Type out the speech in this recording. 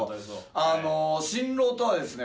新郎とはですね